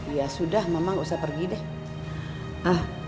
ya sudah mama gak usah pergi deh